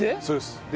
そうです。